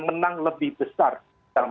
menang lebih besar dalam